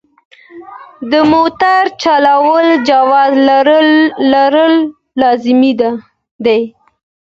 د موټر چلولو جواز لرل لازمي دي.